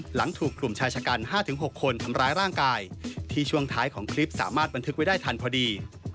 หลังถูกกลุ่มชายชะกัน๕๖คนทำร้ายร่างกายที่ช่วงท้ายของคลิปสามารถบันทึกไว้ได้ทันพอดี